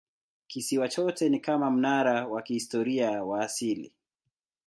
Kisiwa chote ni kama mnara wa kihistoria wa asili.